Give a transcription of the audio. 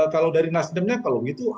kalau dari nasdemnya kalau gitu